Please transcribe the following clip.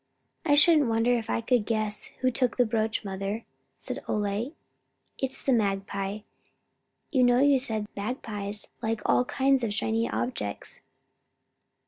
"I shouldn't wonder if I could guess who took the brooch, mother," said Ole. "It's the magpie. You know you said magpies like all kinds of shining objects."